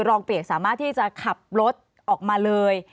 เปียกสามารถที่จะขับรถออกมาเลย